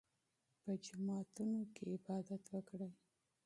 په جوماتونو کې عبادت وکړئ.